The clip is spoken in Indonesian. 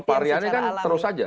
variannya kan terus saja